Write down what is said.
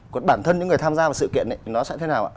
còn bản thân những người tham gia vào sự kiện nó sẽ thế nào ạ